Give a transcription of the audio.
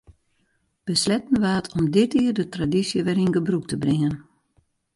Besletten waard om dit jier de tradysje wer yn gebrûk te bringen.